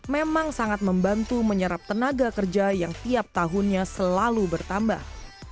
memang sangat membantu menyerap tenaga kerja yang tiap tahunnya selalu bertambah